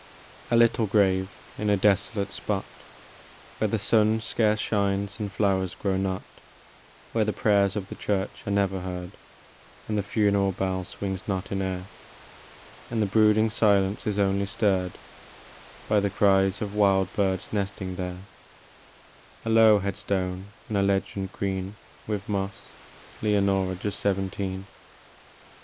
LITTLE grave in a desolate spot, Where the sun scarce shines and flowers grow not, Where the prayers of the church are never heard, And the funeral bell swings not in air, And the brooding silence is only stirred By the cries of wild birds nesting there ; A low headstone, and a legend, green With moss :" Leonora, just seventeen."